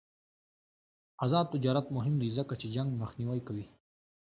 آزاد تجارت مهم دی ځکه چې جنګ مخنیوی کوي.